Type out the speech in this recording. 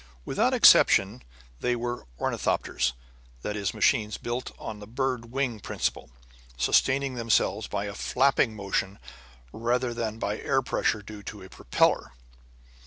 Without exception they were ornithopters; that is, machines built on the bird wing principle, sustaining themselves by a flapping motion rather than by air pressure due to a propeller.